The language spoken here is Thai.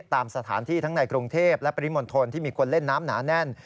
ตามสถานที่ทั้งในกรุงเทพและปริมณฑลที่มีคนเล่นน้ำหนาแน่น